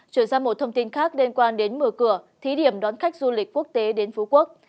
chuyển sang một thông tin khác liên quan đến mở cửa thí điểm đón khách du lịch quốc tế đến phú quốc